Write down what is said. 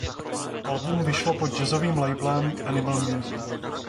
Album vyšlo pod jazzovým labelem Animal Music.